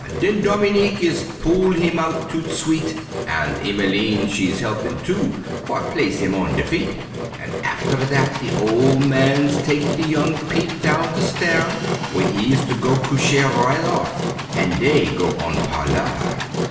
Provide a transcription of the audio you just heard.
Den Dominique is pull heem out tout suite An' Emmeline she's helpin' too for place heem on de feet, An' affer dat de ole man's tak' de young peep down de stair, W'ere he is go couché right off, an' dey go on parloir.